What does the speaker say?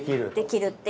できる。